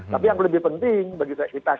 tapi yang lebih penting bagi seksitas